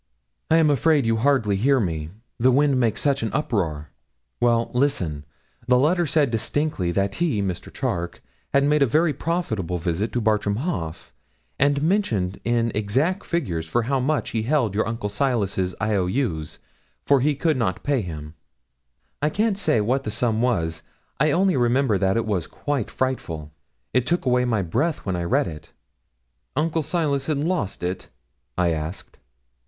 'I am afraid you hardly hear me, the wind makes such an uproar. Well, listen. The letter said distinctly, that he, Mr. Charke, had made a very profitable visit to Bartram Haugh, and mentioned in exact figures for how much he held your uncle Silas's I.O.U.'s, for he could not pay him. I can't say what the sum was. I only remember that it was quite frightful. It took away my breath when I read it.' 'Uncle Silas had lost it?' I asked.